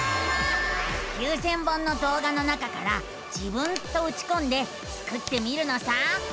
９，０００本のどう画の中から「自分」とうちこんでスクってみるのさ。